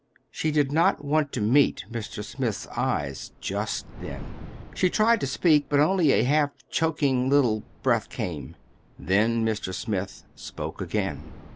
She did not want to meet Mr. Smith's eyes just then. She tried to speak, but only a half choking little breath came. Then Mr. Smith spoke again.